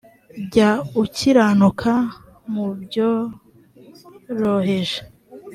jya ukiranuka mu byoroheje